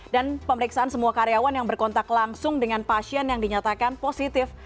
dan pemeriksaan semua karyawan yang berkontak langsung dengan pasien yang dinyatakan positif